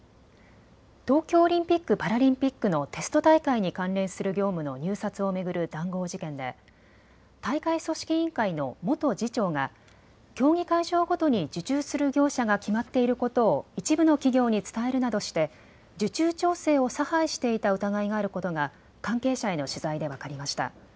東京オリンピック・パラリンピックのテスト大会に関連する業務の入札を巡る談合事件で大会組織委員会の元次長が競技会場ごとに受注する業者が決まっていることを一部の企業に伝えるなどして受注調整を差配していた疑いがあることが関係者への取材で分かりました。